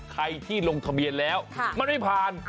ใครที่ลงทะเบียนแล้วมันไม่ผ่าน